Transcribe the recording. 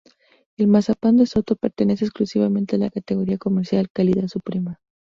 El mazapán de Soto pertenece exclusivamente a la categoría comercial "calidad suprema".